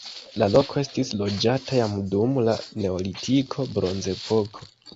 La loko estis loĝata jam dum la neolitiko, bronzepoko.